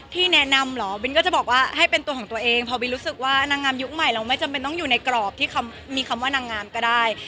แนะนำเหรอบินก็จะบอกว่าให้เป็นตัวของตัวเองพอบินรู้สึกว่านางงามยุคใหม่เราไม่จำเป็นต้องอยู่ในกรอบที่มีคำว่านางงามก็ได้